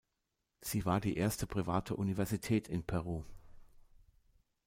Sie war die erste private Universität in Peru.